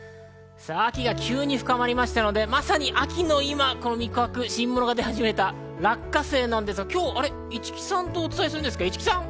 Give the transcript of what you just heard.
さぁ、秋が急に深まりましたので、まさに秋の今、実が熟し始めた落花生なんですが今日、市來さんとお伝えするんですが、市來さん。